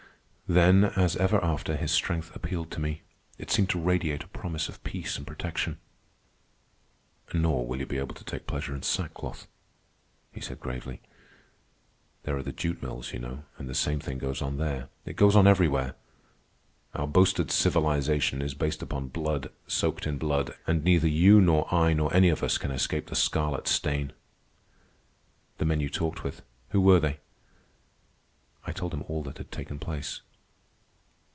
Then, as ever after, his strength appealed to me. It seemed to radiate a promise of peace and protection. "Nor will you be able to take pleasure in sackcloth," he said gravely. "There are the jute mills, you know, and the same thing goes on there. It goes on everywhere. Our boasted civilization is based upon blood, soaked in blood, and neither you nor I nor any of us can escape the scarlet stain. The men you talked with—who were they?" I told him all that had taken place.